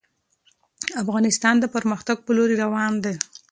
افغانستان د پرمختګ په لوري روان دی.